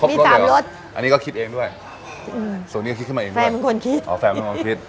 มี๓รสอันนี้ก็คิดเองด้วยส่วนนี้ก็คิดขึ้นมาเองด้วยแฟมมันควรคิดอ๋อแฟมมันควรคิด